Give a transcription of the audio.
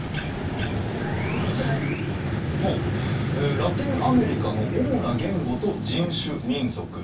「ラテンアメリカの主な言語と人種・民族」。